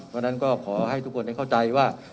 เพราะฉะนั้นก็ขอให้ทุกคนได้เข้าใจว่า